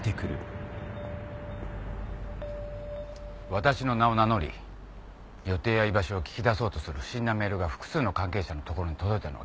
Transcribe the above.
私の名を名乗り予定や居場所を聞き出そうとする不審なメールが複数の関係者のところに届いたのは聞いてる。